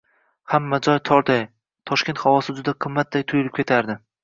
hamma joy torday, Toshkent havosi juda qimmatday tuyulib ketardi.